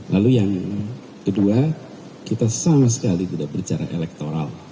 lalu yang kedua kita sama sekali tidak berbicara elektoral